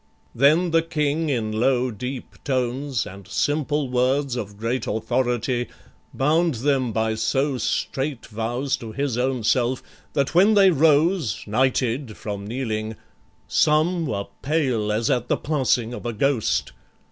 Then the King in low deep tones, And simple words of great authority, Bound them by so strait vows to his own self, That when they rose, knighted from kneeling, some Were pale as at the passing of a ghost.